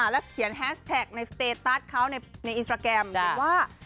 แล้วเขียนแฮสแท็กในสเตตัสเขาในอินสตราแกรมว่า